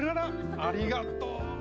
ありがとう。